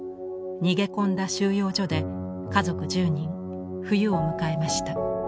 逃げ込んだ収容所で家族１０人冬を迎えました。